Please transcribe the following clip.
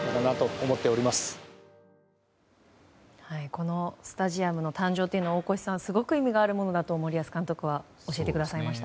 このスタジアムの誕生というのはすごく意味があるものだと森保監督は教えてくれました。